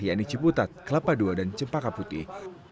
yaitu ciputat kelapa ii dan cempaka putih